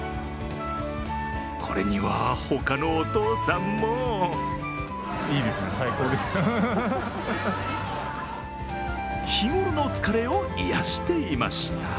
これには、他のお父さんも日頃の疲れを癒やしていました。